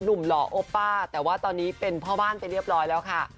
หล่อโอป้าแต่ว่าตอนนี้เป็นพ่อบ้านไปเรียบร้อยแล้วค่ะ